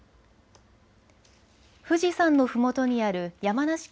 富士山のふもとにある山梨県